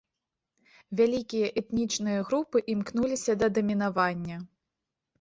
Вялікія этнічныя групы імкнуліся да дамінавання.